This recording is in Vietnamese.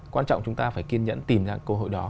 quan trọng chúng ta phải kiên nhẫn tìm ra cơ hội đó